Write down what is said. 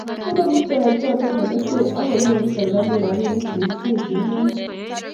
Inamu toek choto melekwek akonyoru serikait robinik che kitechee emet